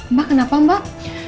mbak kenapa mbak